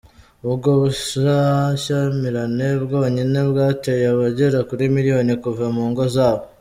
Ubwo busahyamirane bwonyine bwateye abagera kuri miliyoni kuva mu ngo zabo.